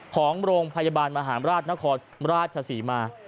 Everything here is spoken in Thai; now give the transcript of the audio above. ของโรงพยาบาลมหาราชนครราชศรีมา